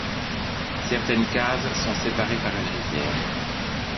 Certaines cases sont séparées par une rivière.